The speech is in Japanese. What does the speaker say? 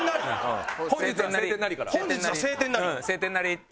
「本日は晴天なり」から。